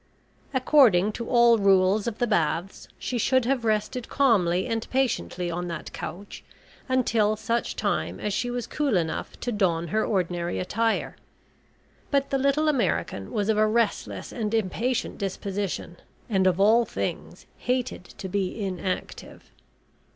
According to all rules of the baths, she should have rested calmly and patiently on that couch, until such time as she was cool enough to don her ordinary attire, but the little American, was of a restless and impatient disposition, and of all things hated to be inactive.